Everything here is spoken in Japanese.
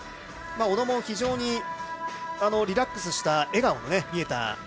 小野も非常にリラックスした笑顔も見えた